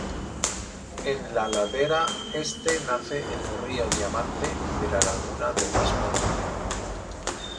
En la ladera Este nace el Río Diamante, de la laguna del mismo nombre.